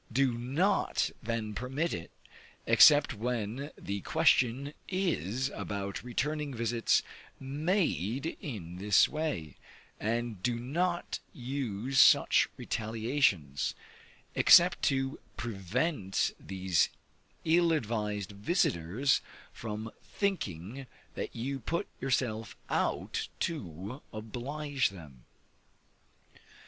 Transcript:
Do not then permit it, except when the question is about returning visits made in this way; and do not use such retaliations, except to prevent these ill advised visiters from thinking that you put yourself out to oblige them.